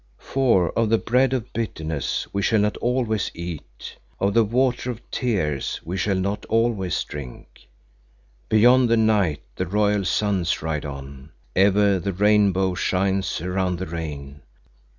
"For of the bread of bitterness we shall not always eat, of the water of tears we shall not always drink. Beyond the night the royal suns ride on; ever the rainbow shines around the rain.